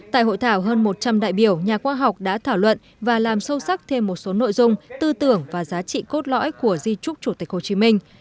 tại hội thảo hơn một trăm linh đại biểu nhà khoa học đã thảo luận và làm sâu sắc thêm một số nội dung tư tưởng và giá trị cốt lõi của di trúc chủ tịch hồ chí minh